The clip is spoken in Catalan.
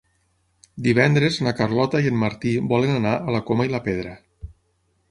Divendres na Carlota i en Martí volen anar a la Coma i la Pedra.